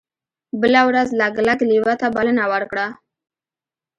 بله ورځ لګلګ لیوه ته بلنه ورکړه.